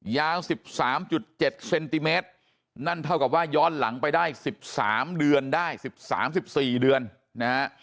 ยาว๑๓๗เซนติเมตรนั่นเท่ากับว่าย้อนหลังไปได้๑๓เดือนได้๑๓๑๔เดือนนะฮะ